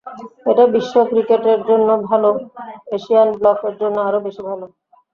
এটা বিশ্ব ক্রিকেটের জন্য ভালো, এশিয়ান ব্লকের জন্য আরও বেশি ভালো।